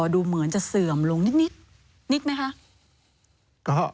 ดูเหมือนจะเสื่อมลงนิดนิดไหมคะ